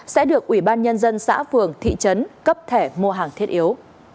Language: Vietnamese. sẽ được ủy ban nhân dân xã phường thị trấn cấp thẻ mua hàng thiết yếu